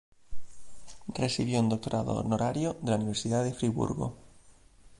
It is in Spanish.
Recibió un doctorado honorario de la Universidad de Friburgo.